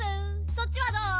そっちはどう？